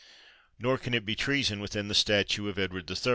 Nor can it be treason within the statute of Edward III.